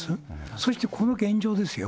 そうしてこの現状ですよ。